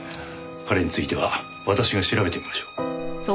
彼については私が調べてみましょう。